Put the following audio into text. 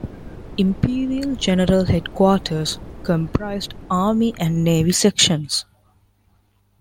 Imperial General Headquarters comprised Army and Navy Sections.